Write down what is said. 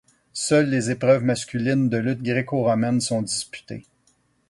Seules les épreuves masculines de lutte gréco-romaine sont disputées.